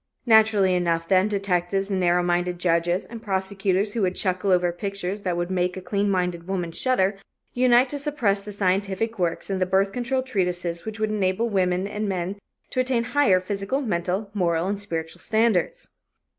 Naturally enough, then, detectives and narrow minded judges and prosecutors who would chuckle over pictures that would make a clean minded woman shudder, unite to suppress the scientific works and the birth control treatises which would enable men and women to attain higher physical, mental, moral and spiritual standards.